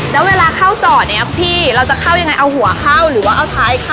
แล้วเวลาเข้าจอดเนี่ยพี่เราจะเข้ายังไงเอาหัวเข้าหรือว่าเอาท้ายเข้า